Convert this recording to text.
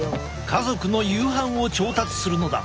家族の夕飯を調達するのだ。